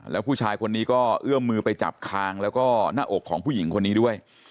แล้วผู้ชายคนนี้ก็เอื้อมมือไปจับคางแล้วก็หน้าอกของผู้หญิงคนนี้ด้วย